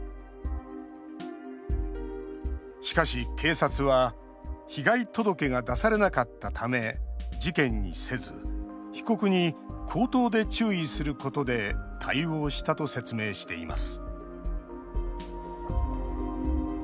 しかし、警察は被害届が出されなかったため事件にせず被告に口頭で注意することで対応したと説明しています。